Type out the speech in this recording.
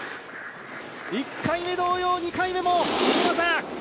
１回目同様、２回目も大技！